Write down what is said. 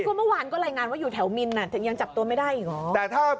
ก็เมื่อวานก็รายงานว่าอยู่แถวมินถึงยังจับตัวไม่ได้อีกหรอ